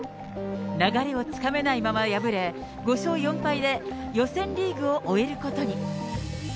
流れをつかめないまま敗れ、５勝４敗で予選リーグを終えることに。